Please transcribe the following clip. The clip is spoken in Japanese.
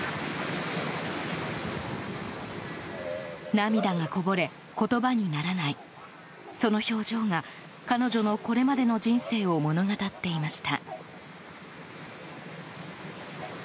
涙がこぼれ言葉にならないその表情が彼女のこれまでの人生を物語っていました。